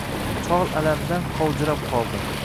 Chol alamdan qovjirab qoldi.